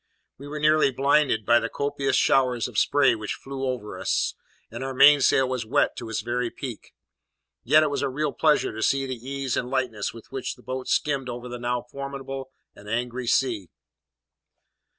We were nearly blinded by the copious showers of spray which flew over us, and our mainsail was wet to its very peak; yet it was a real pleasure to see the ease and lightness with which the boat skimmed over the now formidable and angry sea.